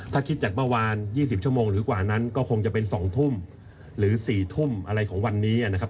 ถ้าคิดจากเมื่อวาน๒๐ชั่วโมงหรือกว่านั้นก็คงจะเป็น๒ทุ่มหรือ๔ทุ่มอะไรของวันนี้นะครับ